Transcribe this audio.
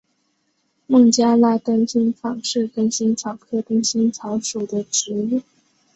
孟加拉灯心草是灯心草科灯心草属的植物。